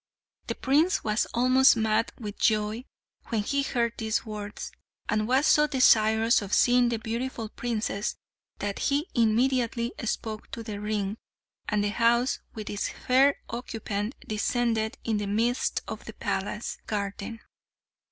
The prince was almost mad with joy when he heard these words, and was so desirous of seeing the beautiful princess, that he immediately spoke to the ring, and the house with its fair occupant descended in the midst of the palace garden.